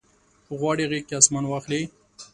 غواړي غیږ کې اسمان واخلي